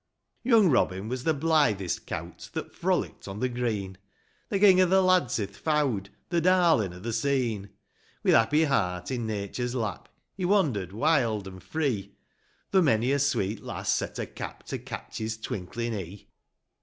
III. Young Robin was the blithest cowt That froUcked on the green ; The king of o' the lads i'th fowd, The darlin' of the scene : With happy heart, in nature's lap, He wandered wild and free, Though mony a sweet lass set her cap To catch his twinklin' e'e.